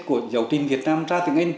của giáo trình việt nam ra tiếng anh